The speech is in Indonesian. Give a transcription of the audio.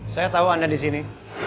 saya tau anda disini